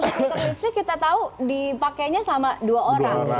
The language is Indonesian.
satu skuter listrik kita tahu dipakenya sama dua orang